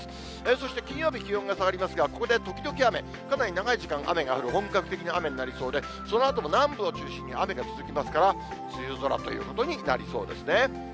そして、金曜日、気温が下がりますが、ここで時々雨、かなり長い時間雨が降る本格的な雨になりそうで、そのあとも南部を中心に雨が続きますから、梅雨空ということになりそうですね。